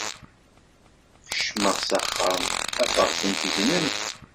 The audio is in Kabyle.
Kecmeɣ s axxam, afeɣ-tent gnent.